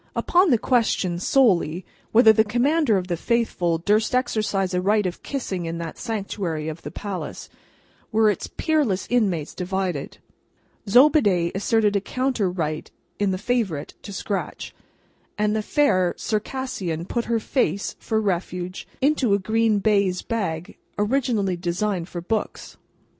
Upon the question, solely, whether the Commander of the Faithful durst exercise a right of kissing in that sanctuary of the palace, were its peerless inmates divided. Zobeide asserted a counter right in the Favourite to scratch, and the fair Circassian put her face, for refuge, into a green baize bag, originally designed for books.